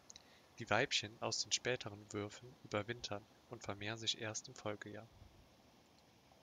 Die Weibchen aus den späteren Würfen überwintern und vermehren sich erst im Folgejahr.